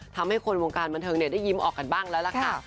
ทำให้คนวงการบันเทิงได้ยิ้มออกกันบ้างแล้วล่ะค่ะ